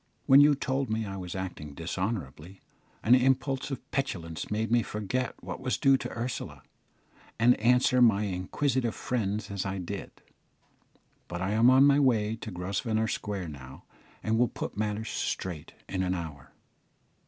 When you told me I was acting dishonourably, an impulse of petulance made me forget what was due to Ursula, and answer my inquisitive friends as I did; but I am on my way to Grosvenor Square now, and will put matters straight in an hour."